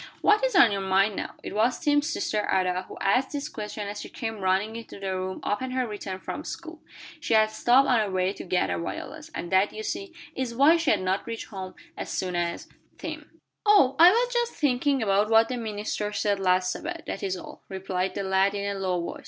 "What is on your mind, now?" It was Tim's sister Ada who asked this question as she came running into the room upon her return from school. She had stopped on her way to gather violets, and that, you see, is why she had not reached home as soon as Tim. "Oh, I was just thinking about what the minister said last Sabbath, that is all," replied the lad in a low voice.